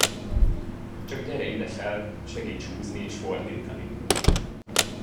Csak gyere ide fel, segíts húzni és fordítani.